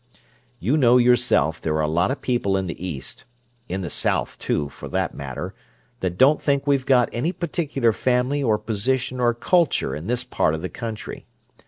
You know, yourself, there are a lot of people in the East—in the South, too, for that matter—that don't think we've got any particular family or position or culture in this part of the country.